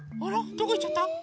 どこいっちゃった？